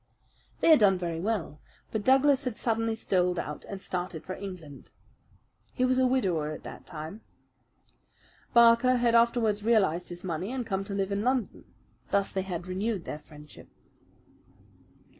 They had done very well; but Douglas had suddenly sold out and started for England. He was a widower at that time. Barker had afterwards realized his money and come to live in London. Thus they had renewed their friendship.